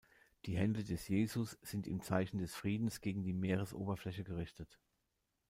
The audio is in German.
Die Hände des Jesus sind im Zeichen des Friedens gegen die Meeresoberfläche gerichtet.